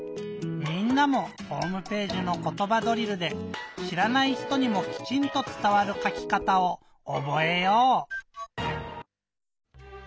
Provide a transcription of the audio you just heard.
みんなもホームページの「ことばドリル」でしらない人にもきちんとつたわるかきかたをおぼえよう！